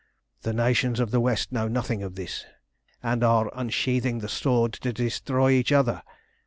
"The nations of the West know nothing of this, and are unsheathing the sword to destroy each other.